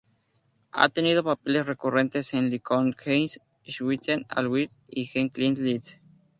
Ha tenido papeles recurrentes en "Lincoln Heights", "Switched at Birth" y "The Client List".